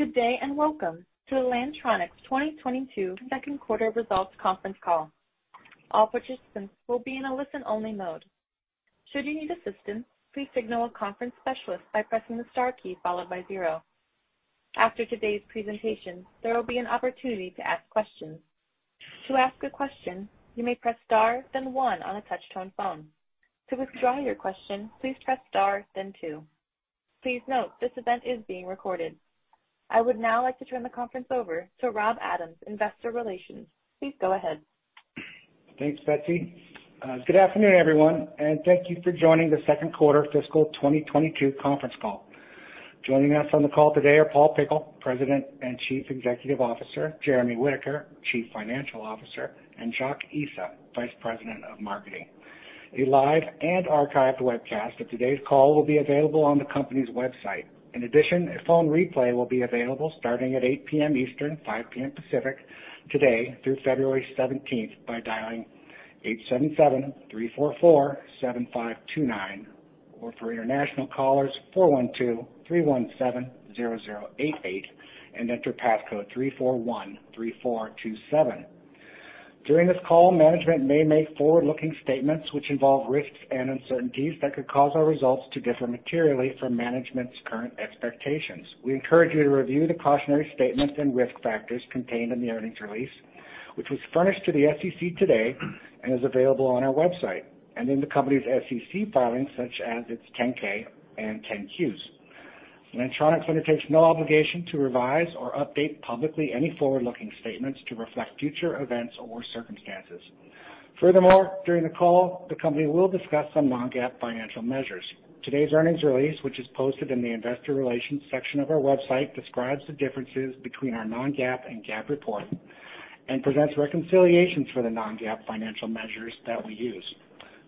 Good day, and welcome to Lantronix 2022 Q2 results conference call. All participants will be in a listen-only mode. Should you need assistance, please signal a conference specialist by pressing the star key followed by 0. After today's presentation, there will be an opportunity to ask questions. To ask a question, you may press star, then 1 on a touch-tone phone. To withdraw your question, please press star, then 2. Please note, this event is being recorded. I would now like to turn the conference over to Rob Adams, Investor Relations. Please go ahead. Thanks, Betsy. Good afternoon, everyone, and thank you for joining the Q2 fiscal 2022 conference call. Joining us on the call today are Paul Pickle, President and Chief Executive Officer, Jeremy Whitaker, Chief Financial Officer, and Jacques Issa, Vice President of Marketing. A live and archived webcast of today's call will be available on the company's website. In addition, a phone replay will be available starting at 8 P.M. Eastern, 5 P.M. Pacific today through February 17 by dialing 877-344-7529, or for international callers, 412-317-0088 and enter passcode 3413427. During this call, management may make forward-looking statements which involve risks and uncertainties that could cause our results to differ materially from management's current expectations. We encourage you to review the cautionary statements and risk factors contained in the earnings release, which was furnished to the SEC today and is available on our website and in the company's SEC filings, such as its 10-K and 10-Qs. Lantronix undertakes no obligation to revise or update publicly any forward-looking statements to reflect future events or circumstances. Furthermore, during the call, the company will discuss some non-GAAP financial measures. Today's earnings release, which is posted in the investor relations section of our website, describes the differences between our non-GAAP and GAAP report and presents reconciliations for the non-GAAP financial measures that we use.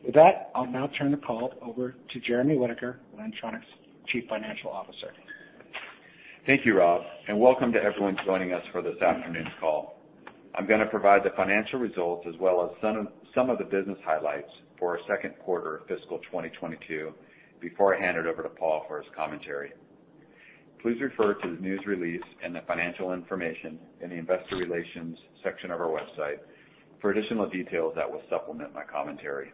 With that, I'll now turn the call over to Jeremy Whitaker, Lantronix Chief Financial Officer. Thank you, Rob, and welcome to everyone joining us for this afternoon's call. I'm gonna provide the financial results as well as some of the business highlights for our Q2 of fiscal 2022 before I hand it over to Paul for his commentary. Please refer to the news release and the financial information in the investor relations section of our website for additional details that will supplement my commentary.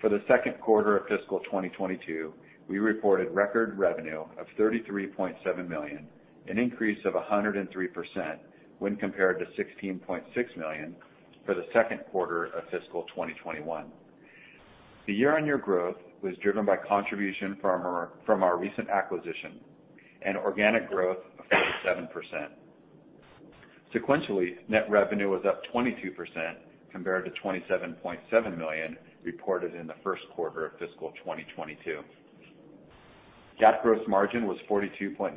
For the Q2 of fiscal 2022, we reported record revenue of $33.7 million, an increase of 103% when compared to $16.6 million for the Q2 of fiscal 2021. The year-on-year growth was driven by contribution from our recent acquisition and organic growth of 37%. Sequentially, net revenue was up 22% compared to $27.7 million reported in the Q1 of fiscal 2022. GAAP gross margin was 42.9%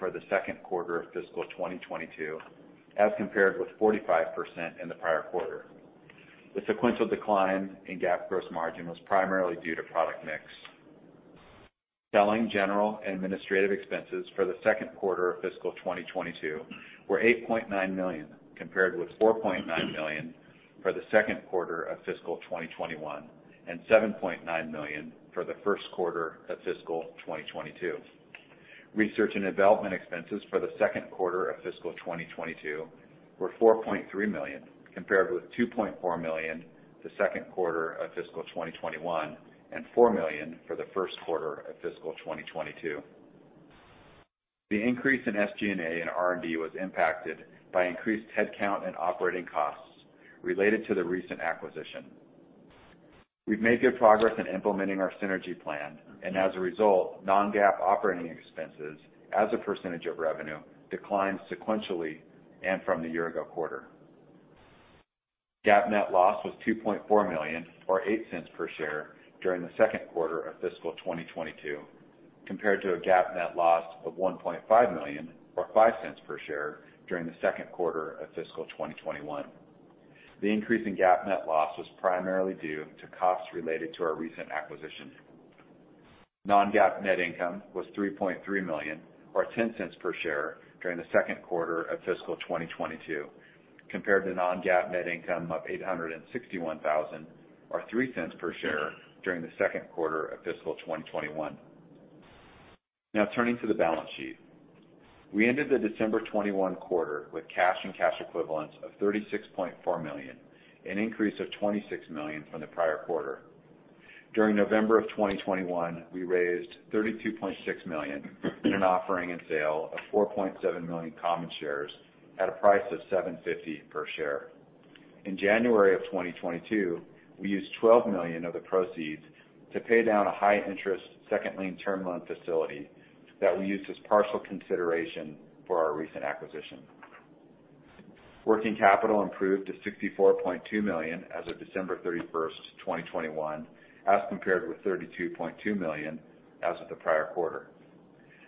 for the Q2 of fiscal 2022, as compared with 45% in the prior quarter. The sequential decline in GAAP gross margin was primarily due to product mix. Selling, general, and administrative expenses for the Q2 of fiscal 2022 were $8.9 million, compared with $4.9 million for the Q2 of fiscal 2021 and $7.9 million for the Q1 of fiscal 2022. Research and development expenses for the Q2 of fiscal 2022 were $4.3 million, compared with $2.4 million the Q2 of fiscal 2021 and $4 million for the Q1 of fiscal 2022. The increase in SG&A and R&D was impacted by increased headcount and operating costs related to the recent acquisition. We've made good progress in implementing our synergy plan, and as a result, non-GAAP operating expenses as a percentage of revenue declined sequentially and from the year ago quarter. GAAP net loss was $2.4 million or $0.08 per share during the Q2 of fiscal 2022, compared to a GAAP net loss of $1.5 million or $0.05 per share during the Q2 of fiscal 2021. The increase in GAAP net loss was primarily due to costs related to our recent acquisition. non-GAAP net income was $3.3 million or $0.10 per share during the Q2 of fiscal 2022, compared to non-GAAP net income of $861 thousand or $0.03 per share during the Q2 of fiscal 2021. Now turning to the balance sheet. We ended the December 2021 quarter with cash and cash equivalents of $36.4 million, an increase of $26 million from the prior quarter. During November 2021, we raised $32.6 million in an offering and sale of 4.7 million common shares at a price of $7.50 per share. In January 2022, we used $12 million of the proceeds to pay down a high-interest second lien term loan facility that we used as partial consideration for our recent acquisition. Working capital improved to $64.2 million as of December 31, 2021, as compared with $32.2 million as of the prior quarter.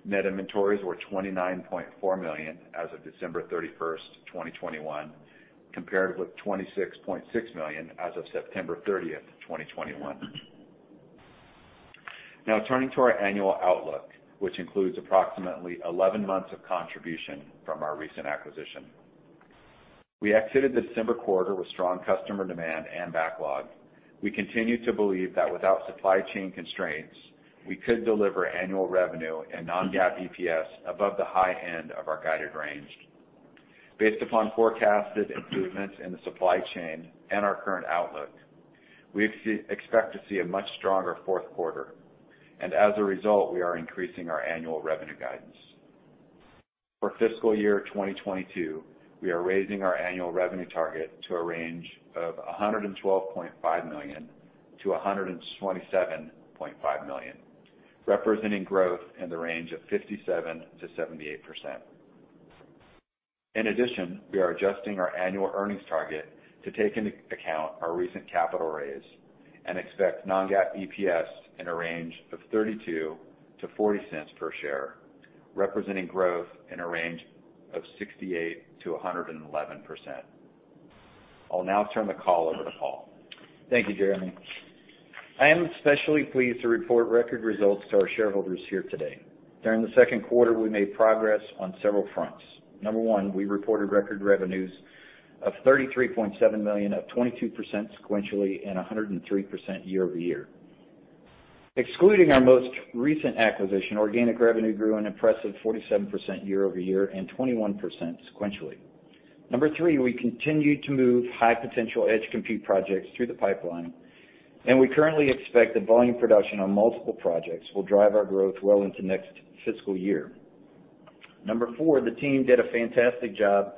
Net inventories were $29.4 million as of December 31, 2021, compared with $26.6 million as of September 30, 2021. Now turning to our annual outlook, which includes approximately 11 months of contribution from our recent acquisition. We exited the December quarter with strong customer demand and backlog. We continue to believe that without supply chain constraints, we could deliver annual revenue and non-GAAP EPS above the high end of our guided range. Based upon forecasted improvements in the supply chain and our current outlook, we expect to see a much stronger Q4. As a result, we are increasing our annual revenue guidance. For fiscal year 2022, we are raising our annual revenue target to a range of $112.5 million-$127.5 million, representing growth in the range of 57%-78%. In addition, we are adjusting our annual earnings target to take into account our recent capital raise and expect non-GAAP EPS in a range of $0.32-$0.40 per share, representing growth in a range of 68%-111%. I'll now turn the call over to Paul. Thank you, Jeremy. I am especially pleased to report record results to our shareholders here today. During the Q2, we made progress on several fronts. Number one, we reported record revenues of $33.7 million, up 22% sequentially and 103% year-over-year. Excluding our most recent acquisition, organic revenue grew an impressive 47% year-over-year and 21% sequentially. Number three, we continued to move high potential edge compute projects through the pipeline, and we currently expect that volume production on multiple projects will drive our growth well into next fiscal year. Number four, the team did a fantastic job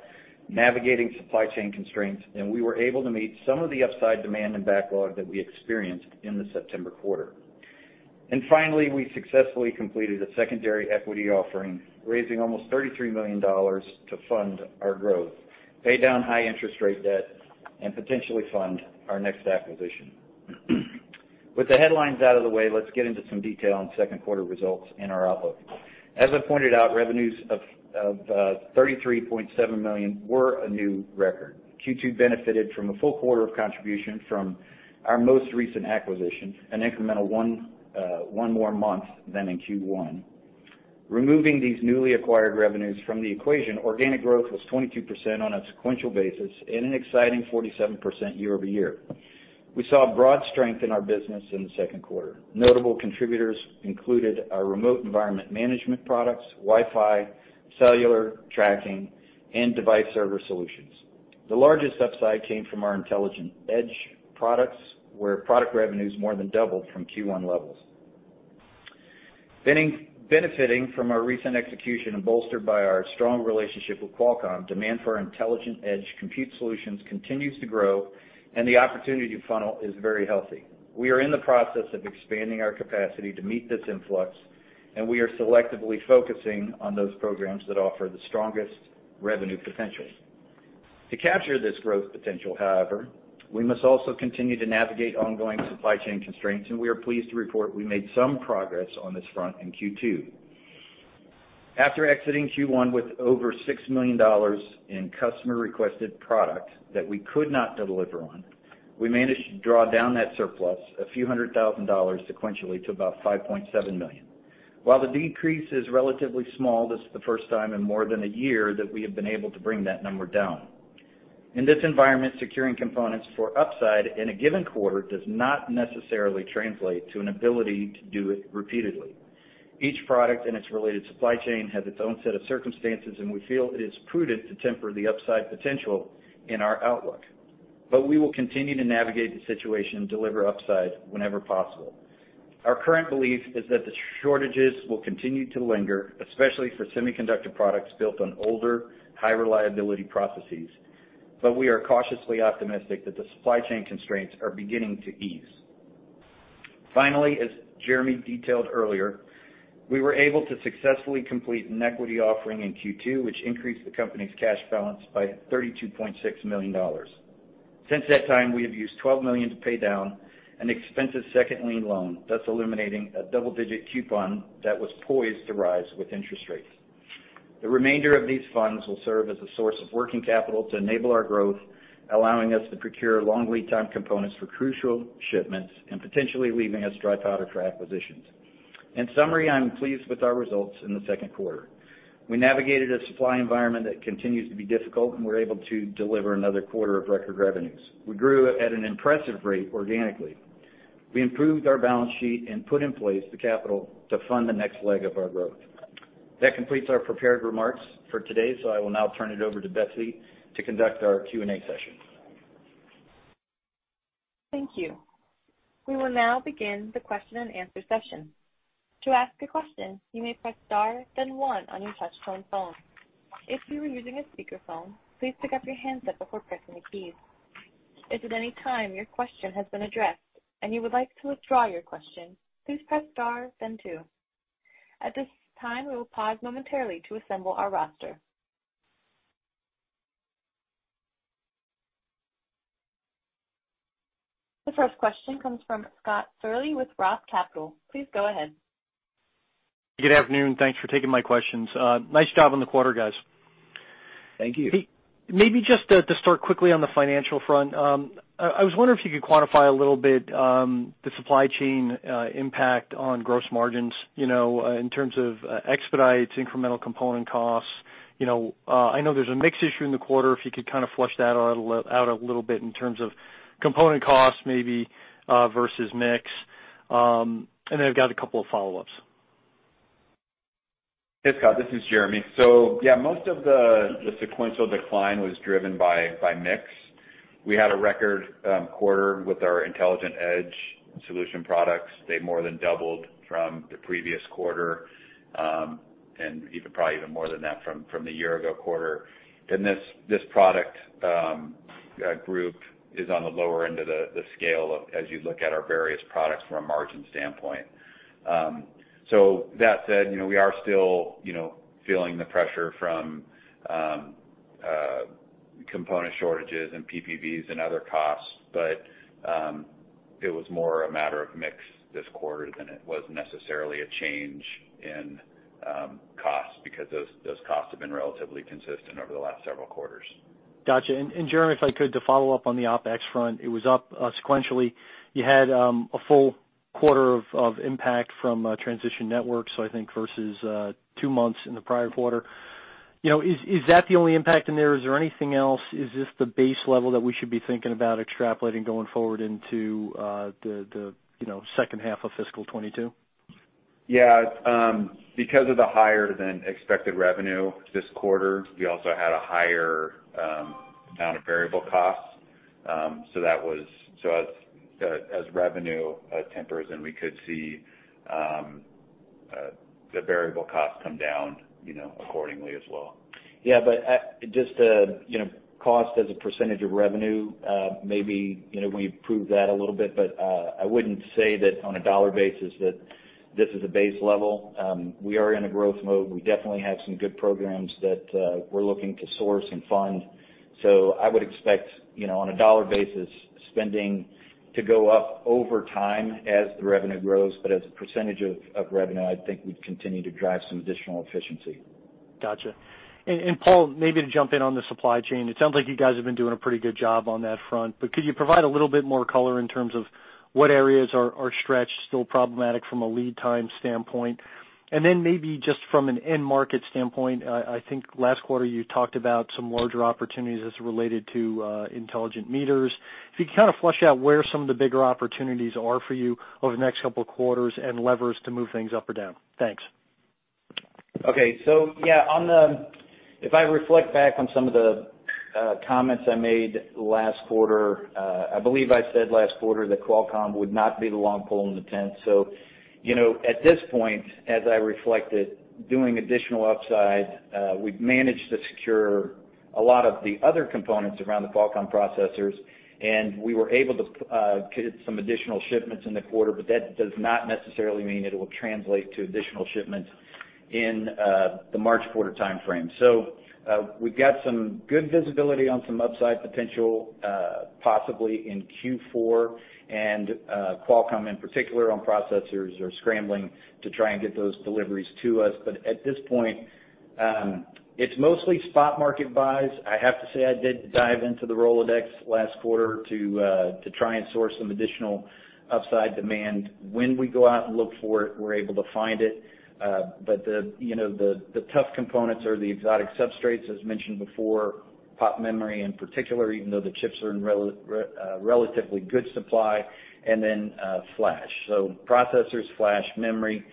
navigating supply chain constraints, and we were able to meet some of the upside demand and backlog that we experienced in the September quarter. Finally, we successfully completed a secondary equity offering, raising almost $33 million to fund our growth, pay down high interest rate debt, and potentially fund our next acquisition. With the headlines out of the way, let's get into some detail on Q2 results and our outlook. As I pointed out, revenues of $33.7 million were a new record. Q2 benefited from a full quarter of contribution from our most recent acquisition, an incremental one more month than in Q1. Removing these newly acquired revenues from the equation, organic growth was 22% on a sequential basis and an exciting 47% year-over-year. We saw broad strength in our business in the Q2. Notable contributors included our remote environment management products, Wi-Fi, cellular tracking, and device server solutions. The largest upside came from our Intelligent Edge products, where product revenues more than doubled from Q1 levels. Benefiting from our recent execution and bolstered by our strong relationship with Qualcomm, demand for our Intelligent Edge compute solutions continues to grow, and the opportunity funnel is very healthy. We are in the process of expanding our capacity to meet this influx, and we are selectively focusing on those programs that offer the strongest revenue potential. To capture this growth potential, however, we must also continue to navigate ongoing supply chain constraints, and we are pleased to report we made some progress on this front in Q2. After exiting Q1 with over $6 million in customer-requested product that we could not deliver on, we managed to draw down that surplus a few hundred thousand dollars sequentially to about $5.7 million. While the decrease is relatively small, this is the first time in more than a year that we have been able to bring that number down. In this environment, securing components for upside in a given quarter does not necessarily translate to an ability to do it repeatedly. Each product and its related supply chain has its own set of circumstances, and we feel it is prudent to temper the upside potential in our outlook. We will continue to navigate the situation and deliver upside whenever possible. Our current belief is that the shortages will continue to linger, especially for semiconductor products built on older, high-reliability processes, but we are cautiously optimistic that the supply chain constraints are beginning to ease. Finally, as Jeremy detailed earlier, we were able to successfully complete an equity offering in Q2, which increased the company's cash balance by $32.6 million. Since that time, we have used $12 million to pay down an expensive second lien loan, thus eliminating a double-digit coupon that was poised to rise with interest rates. The remainder of these funds will serve as a source of working capital to enable our growth, allowing us to procure long lead time components for crucial shipments and potentially leaving us dry powder for acquisitions. In summary, I'm pleased with our results in the Q2. We navigated a supply environment that continues to be difficult, and we're able to deliver another quarter of record revenues. We grew at an impressive rate organically. We improved our balance sheet and put in place the capital to fund the next leg of our growth. That completes our prepared remarks for today, so I will now turn it over to Betsy to conduct our Q&A session. Thank you. We will now begin the question and answer session. To ask a question, you may press star, then one on your touchtone phone. If you are using a speakerphone, please pick up your handset before pressing the keys. If at any time your question has been addressed and you would like to withdraw your question, please press star then two. At this time, we will pause momentarily to assemble our roster. The first question comes from Scott Searle with Roth Capital. Please go ahead. Good afternoon, thanks for taking my questions. Nice job on the quarter, guys. Thank you. Maybe just to start quickly on the financial front, I was wondering if you could quantify a little bit the supply chain impact on gross margins in terms of expedites, incremental component costs. You know, I know there's a mix issue in the quarter, if you could kind of flesh that out a little bit in terms of component costs maybe versus mix. And then I've got a couple of follow-ups. Hey, Scott, this is Jeremy. Yeah, most of the sequential decline was driven by mix. We had a record quarter with our Intelligent Edge solution products. They more than doubled from the previous quarter, and even probably more than that from the year ago quarter. This product group is on the lower end of the scale as you look at our various products from a margin standpoint. So that said we are still feeling the pressure from component shortages and PPVs and other costs. But it was more a matter of mix this quarter than it was necessarily a change in costs because those costs have been relatively consistent over the last several quarters. Gotcha. Jeremy, if I could, to follow up on the OpEx front, it was up sequentially. You had a full quarter of impact from Transition Networks, so I think versus two months in the prior quarter. You know, is that the only impact in there? Is there anything else? Is this the base level that we should be thinking about extrapolating going forward into the H2 of fiscal 2022? Because of the higher than expected revenue this quarter, we also had a higher amount of variable costs. As revenue tempers then we could see the variable costs come down accordingly as well. Yeah. At just cost as a percentage of revenue, maybe we improved that a little bit, but, I wouldn't say that on a dollar basis that this is a base level. We are in a growth mode. We definitely have some good programs that, we're looking to source and fund. I would expect on a dollar basis, spending to go up over time as the revenue grows. As a percentage of revenue, I think we'd continue to drive some additional efficiency. Gotcha. And Paul, maybe to jump in on the supply chain, it sounds like you guys have been doing a pretty good job on that front. But could you provide a little bit more color in terms of what areas are stretched, still problematic from a lead time standpoint? And then maybe just from an end market standpoint, I think last quarter you talked about some larger opportunities as related to intelligent meters. If you kind of flesh out where some of the bigger opportunities are for you over the next couple of quarters and levers to move things up or down. Thanks. Okay. Yeah, if I reflect back on some of the comments I made last quarter, I believe I said last quarter that Qualcomm would not be the long pole in the tent. You know, at this point, as I reflected, doing additional upside, we've managed to secure a lot of the other components around the Qualcomm processors, and we were able to get some additional shipments in the quarter, but that does not necessarily mean it will translate to additional shipments in the March quarter timeframe. We've got some good visibility on some upside potential, possibly in Q4. Qualcomm in particular on processors are scrambling to try and get those deliveries to us. At this point, it's mostly spot market buys. I have to say I did dive into the Rolodex last quarter to try and source some additional upside demand. When we go out and look for it, we're able to find it. You know, the tough components are the exotic substrates, as mentioned before, PoP memory in particular, even though the chips are in relatively good supply, and then flash. So processors, flash, memory,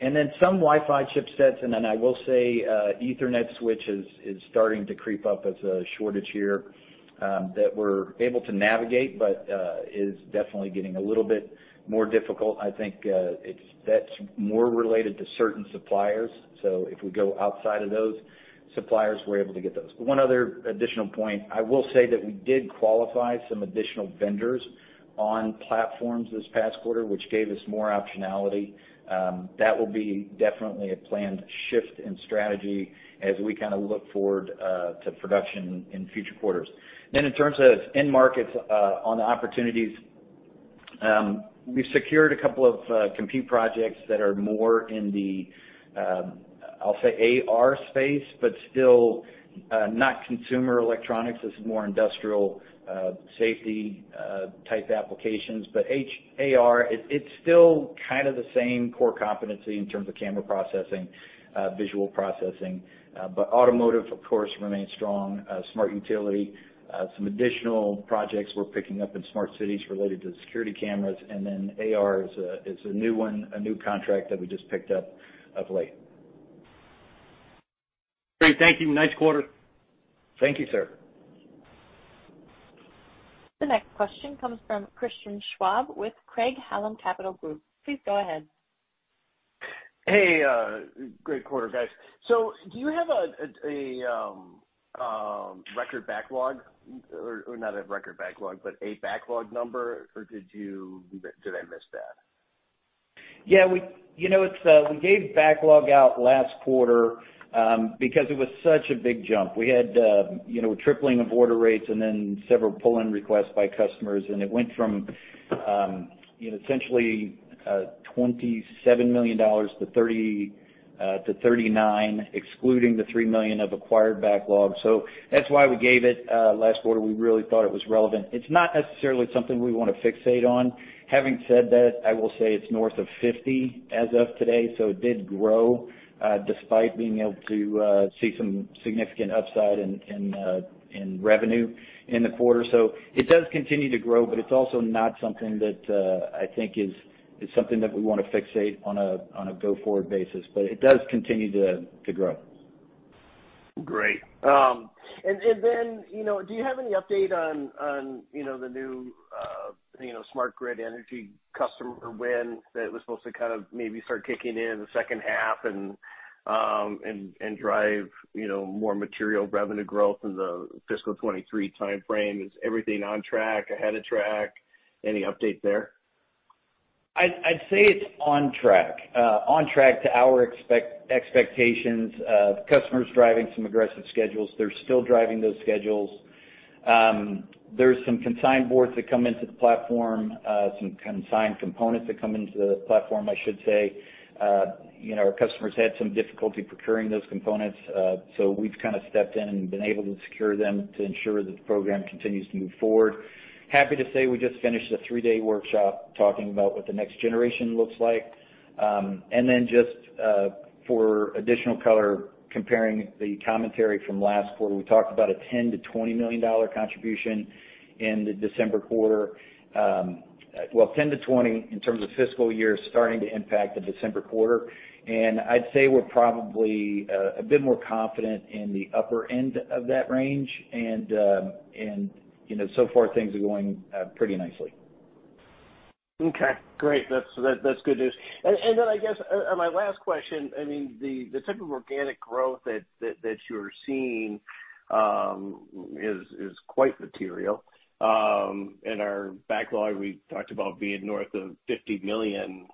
and then some Wi-Fi chipsets, and then I will say Ethernet switches is starting to creep up as a shortage here that we're able to navigate, but is definitely getting a little bit more difficult. I think it's that more related to certain suppliers. So if we go outside of those suppliers, we're able to get those. One other additional point. I will say that we did qualify some additional vendors on platforms this past quarter, which gave us more optionality. That will be definitely a planned shift in strategy as we kind of look forward to production in future quarters. In terms of end markets, on the opportunities, we've secured a couple of compute projects that are more in the, I'll say AR space, but still, not consumer electronics. This is more industrial, safety, type applications. But AR, it's still kind of the same core competency in terms of camera processing, visual processing. But automotive, of course, remains strong. Smart utility, some additional projects we're picking up in smart cities related to security cameras. AR is a new one, a new contract that we just picked up of late. Great. Thank you. Nice quarter. Thank you, sir. The next question comes from Christian Schwab with Craig-Hallum Capital Group. Please go ahead. Hey, great quarter, guys. Do you have a record backlog or not a record backlog, but a backlog number, or did I miss that? Yeah. we we gave backlog out last quarter, because it was such a big jump. We had tripling of order rates and then several pull-in requests by customers, and it went from essentially, $27 million to $30 million to $39 million, excluding the $3 million of acquired backlog. That's why we gave it last quarter. We really thought it was relevant. It's not necessarily something we wanna fixate on. Having said that, I will say it's north of $50 million as of today, so it did grow despite being able to see some significant upside in revenue in the quarter. It does continue to grow, but it's also not something that I think is something that we wanna fixate on a go-forward basis. It does continue to grow. Great. You know, do you have any update on the new smart grid energy customer win that was supposed to kind of maybe start kicking in the H2 and drive more material revenue growth in the fiscal 2023 timeframe? Is everything on track, ahead of track? Any update there? I'd say it's on track. On track to our expectations of customers driving some aggressive schedules. They're still driving those schedules. There's some consigned boards that come into the platform, some consigned components that come into the platform, I should say. You know, our customers had some difficulty procuring those components, so we've kinda stepped in and been able to secure them to ensure that the program continues to move forward. Happy to say we just finished a three-day workshop talking about what the next generation looks like. For additional color, comparing the commentary from last quarter, we talked about a $10 million-$20 million contribution in the December quarter. Well, 10-20 in terms of fiscal year starting to impact the December quarter. I'd say we're probably a bit more confident in the upper end of that range. You know, so far things are going pretty nicely. Okay, great. That's good news. Then I guess my last question, I mean, the type of organic growth that you're seeing is quite material. Our backlog, we talked about being north of $50 million.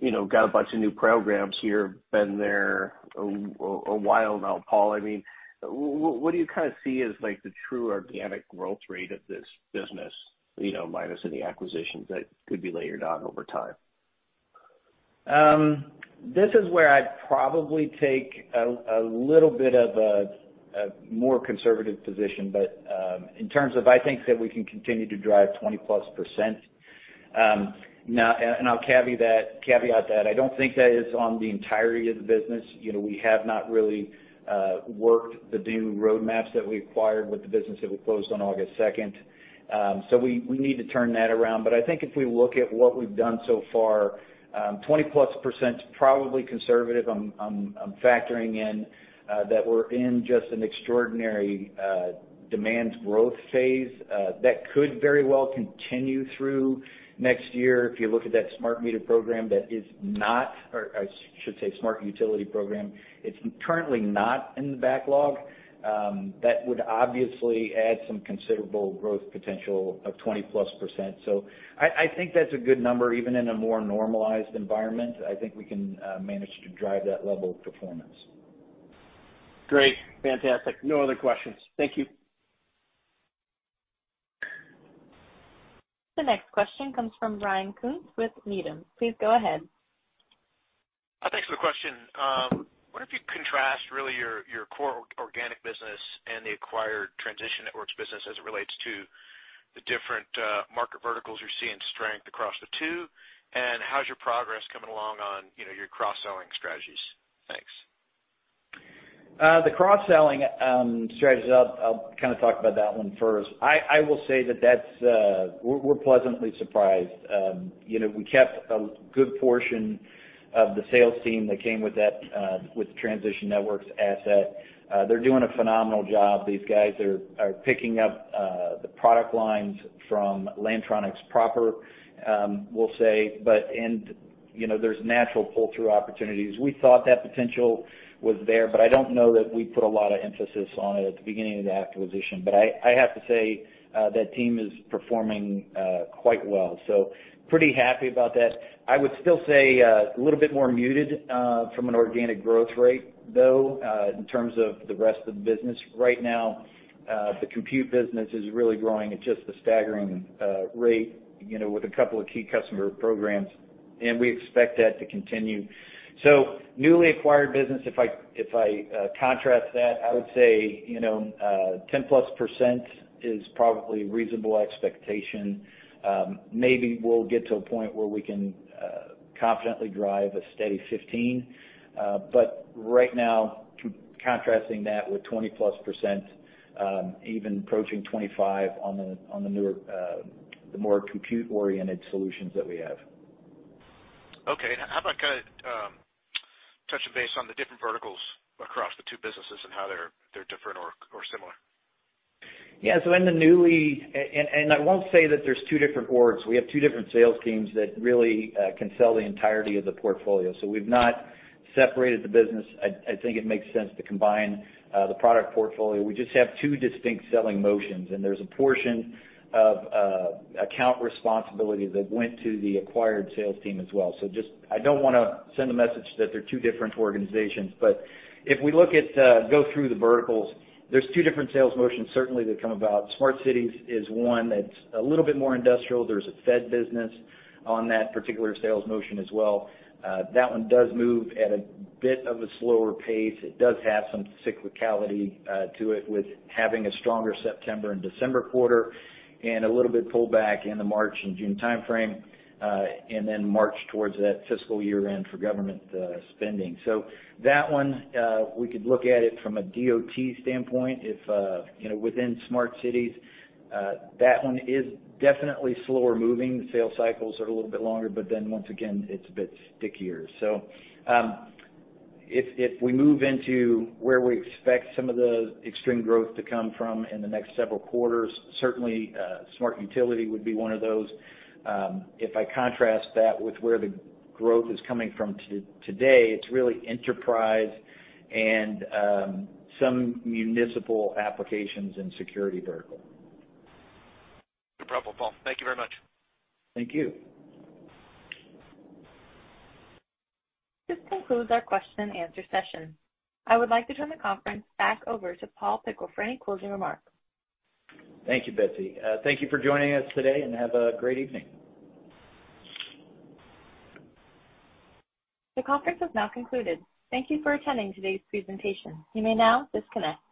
You know got a bunch of new programs here, been there a while now, Paul. I mean, what do you kinda see as like the true organic growth rate of this business minus any acquisitions that could be layered on over time? This is where I'd probably take a little bit of a more conservative position, but in terms of I think that we can continue to drive 20%+. Now, I'll caveat that I don't think that is on the entirety of the business. You know, we have not really worked the new roadmaps that we acquired with the business that we closed on August second. We need to turn that around. I think if we look at what we've done so far, 20%+ is probably conservative. I'm factoring in that we're in just an extraordinary demand growth phase that could very well continue through next year. If you look at that smart meter program, that is not, or I should say smart utility program, it's currently not in the backlog. That would obviously add some considerable growth potential of 20%+. I think that's a good number, even in a more normalized environment. I think we can manage to drive that level of performance. Great. Fantastic. No other questions. Thank you. The next question comes from Ryan Koontz with Needham. Please go ahead. Thanks for the question. Wonder if you'd contrast really your core organic business and the acquired Transition Networks business as it relates to the different market verticals you're seeing strength across the two, and how's your progress coming along on your cross-selling strategies? Thanks. The cross-selling strategies, I'll kinda talk about that one first. I will say that's. We're pleasantly surprised. You know, we kept a good portion of the sales team that came with that Transition Networks asset. They're doing a phenomenal job. These guys are picking up the product lines from Lantronix proper, we'll say. You know, there's natural pull-through opportunities. We thought that potential was there, but I don't know that we put a lot of emphasis on it at the beginning of the acquisition. I have to say that team is performing quite well, so pretty happy about that. I would still say a little bit more muted from an organic growth rate, though, in terms of the rest of the business. Right now, the compute business is really growing at just a staggering rate with a couple of key customer programs, and we expect that to continue. Newly acquired business, if I contrast that, I would say 10%+ is probably reasonable expectation. Maybe we'll get to a point where we can confidently drive a steady 15%. Right now, contrasting that with 20%+, even approaching 25% on the newer, the more compute-oriented solutions that we have. Okay. How about kinda touching base on the different verticals across the two businesses and how they're different or similar? I won't say that there's two different orgs. We have two different sales teams that really can sell the entirety of the portfolio. We've not separated the business. I think it makes sense to combine the product portfolio. We just have two distinct selling motions, and there's a portion of account responsibility that went to the acquired sales team as well. I don't wanna send a message that they're two different organizations. If we look at go through the verticals, there's two different sales motions certainly that come about. Smart cities is one that's a little bit more industrial. There's a Fed business on that particular sales motion as well. That one does move at a bit of a slower pace. It does have some cyclicality to it, with having a stronger September and December quarter, and a little bit pullback in the March and June timeframe, and then march towards that fiscal year-end for government spending. That one, we could look at it from a DOT standpoint if you know, within smart cities, that one is definitely slower moving. The sales cycles are a little bit longer, but then once again, it's a bit stickier. If we move into where we expect some of the extreme growth to come from in the next several quarters, certainly, smart utility would be one of those. If I contrast that with where the growth is coming from today, it's really enterprise and some municipal applications and security vertical. No problem, Paul. Thank you very much. Thank you. This concludes our question and answer session. I would like to turn the conference back over to Paul Pickle for any closing remarks. Thank you, Betsy. Thank you for joining us today, and have a great evening. The conference has now concluded. Thank you for attending today's presentation. You may now disconnect.